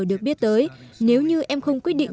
được biết tới nếu như em không quyết định